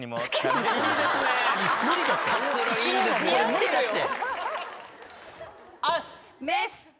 無理だって。